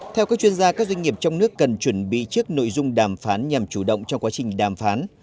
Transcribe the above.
theo các chuyên gia các doanh nghiệp trong nước cần chuẩn bị trước nội dung đàm phán nhằm chủ động trong quá trình đàm phán